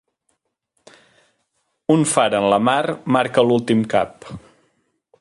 Un far en la mar marca l'últim cap.